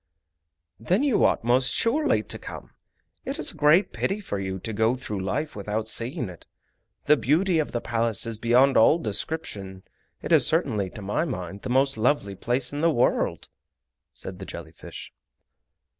"Then you ought most surely to come. It is a great pity for you to go through life without seeing it. The beauty of the Palace is beyond all description—it is certainly to my mind the most lovely place in the world," said the jelly fish.